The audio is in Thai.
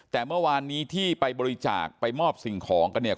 แต่เมื่อวานนี้ที่ไปบริจาคไปมอบสิ่งของกันเนี่ย